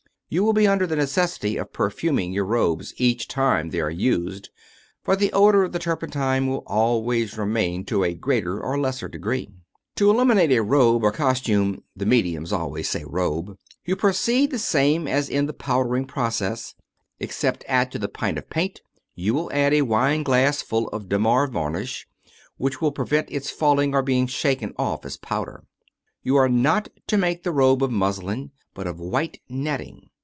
You will be under the necessity of perfuming your robes each time they are used, for the odor of the turpentine will always remain to a greater or less degree. To illuminate a robe or costume (the mediums always say " robe ") you proceed the same as in the powdering process, except that to the pint of paint you will add a wineglass full of Demar varnish, which will prevent its falling or being shaken off as powder. You are not to make the robe of muslin, but 6i white netting.